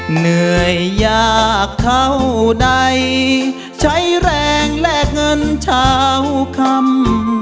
เหนื่อยยากเท่าใดใช้แรงแลกเงินเช้าคำ